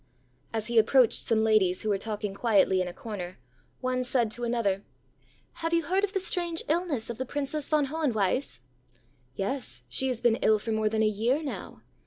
As he approached some ladies who were talking quietly in a corner, one said to another: ãHave you heard of the strange illness of the Princess von Hohenweiss?ã ãYes; she has been ill for more than a year now.